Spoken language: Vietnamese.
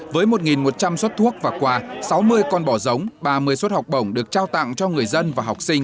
với một một trăm linh suất thuốc và quà sáu mươi con bỏ giống ba mươi suất học bổng được trao tặng cho người dân và học sinh